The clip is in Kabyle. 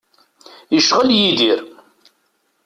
Icɣel Yidir.